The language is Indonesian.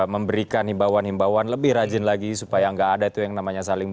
memberikan himbauan himbauan lebih rajin lagi supaya nggak ada itu yang namanya saling